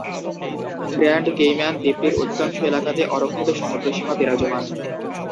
Grand Cayman দ্বীপটির অধিকাংশ এলাকাতে অরক্ষিত সমুদ্র সীমা বিরাজমান।